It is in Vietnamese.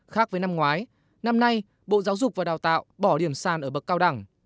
khác với năm ngoái năm nay bộ giáo dục và đào tạo bỏ điểm sàn ở bậc cao đẳng